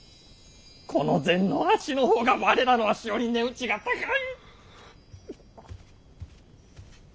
この膳の足のほうが我らの足より値打ちが高い！